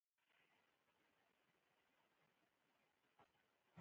بیه د پیرودونکي له ذوق سره تړلې ده.